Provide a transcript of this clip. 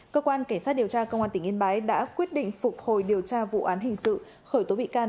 cơ quan cảnh sát điều tra công an tỉnh yên bái đã quyết định phục hồi điều tra vụ án hình sự khởi tố bị can